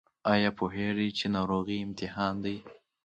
ایا پوهیږئ چې ناروغي امتحان دی؟